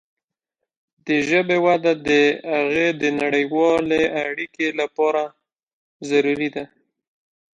د ژبې وده د هغې د نړیوالې اړیکې لپاره ضروري ده.